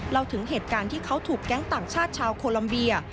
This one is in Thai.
เล่าถึงเหตุการณ์ที่เขาถูกแก๊งต่างชาติชาวโคลัมเบีย